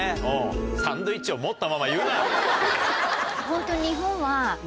サンドイッチを持ったまま言うな。